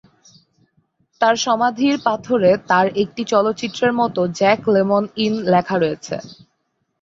তার সমাধির পাথরে তার একটি চলচ্চিত্রের মত "জ্যাক লেমন ইন" লেখা রয়েছে।